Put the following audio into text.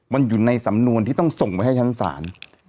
มันอยู่ในสำนวนที่ต้องส่งไปให้ชั้นศาล